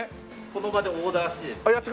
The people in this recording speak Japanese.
その場でオーダーしてですね。